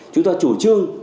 chúng ta chủ trương